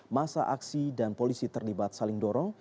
masa aksi dan polisi terlibat saling dorong